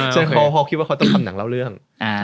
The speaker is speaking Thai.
ส่วนปพคิดว่าเขาต้องทำหนังเล่าเรื่อง